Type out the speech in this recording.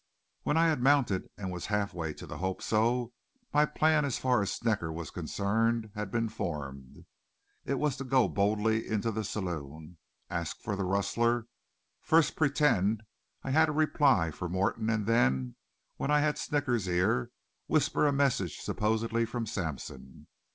When I had mounted and was half way to the Hope So, my plan, as far as Snecker was concerned, had been formed. It was to go boldy into the saloon, ask for the rustler, first pretend I had a reply from Morton and then, when I had Snecker's ear, whisper a message supposedly from Sampson.